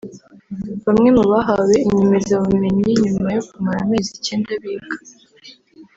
Bamwe mu bahawe inyemezabumenyi nyuma yo kumara amezi icyenda biga